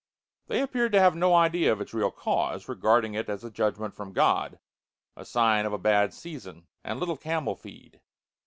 They appeared to have no idea of its real cause, regarding it as a judgment from God, a sign of a bad season, and little camel feed.